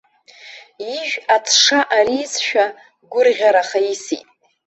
Ижә аҵша аризшәа, гәырӷьараха исит.